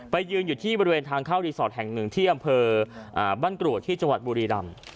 ยืนอยู่ที่บริเวณทางเข้ารีสอร์ทแห่งหนึ่งที่อำเภอบ้านกรวดที่จังหวัดบุรีรำ